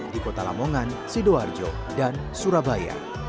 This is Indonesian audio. di kota lamongan sidoarjo dan surabaya